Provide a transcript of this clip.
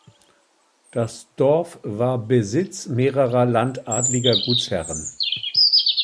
Das Dorf war Besitz mehrerer landadliger Gutsherren.